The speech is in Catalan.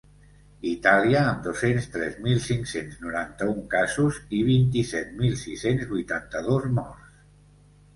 Itàlia, amb dos-cents tres mil cinc-cents noranta-un casos i vint-i-set mil sis-cents vuitanta-dos morts.